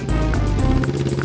liat gue cabut ya